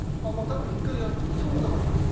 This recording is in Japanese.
多分一回やったからかな。